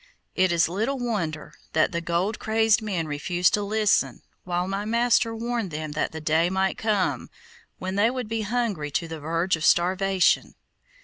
It is little wonder that the gold crazed men refused to listen while my master warned them that the day might come when they would be hungry to the verge of starvation.